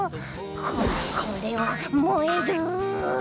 ここれは燃える！